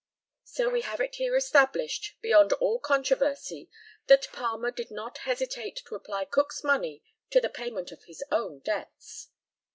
So we have it here established, beyond all controversy, that Palmer did not hesitate to apply Cook's money to the payment of his own debts.